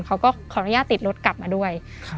เขาก็ขออนุญาตติดรถกลับมาด้วย